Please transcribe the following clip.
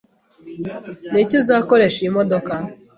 Niki uzakoresha iyi modoka?